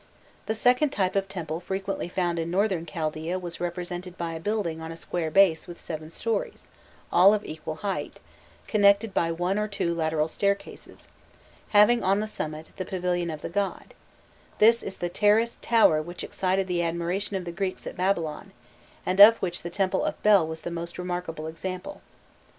The second type of temple frequently found in Northern Chaldaea was represented by a building on a square base with seven stories, all of equal height, connected by one or two lateral staircases, having on the summit, the pavilion of the god; this is the "terraced tower" which excited the admiration of the Greeks at Babylon, and of which the temple of Bel was the most remarkable example.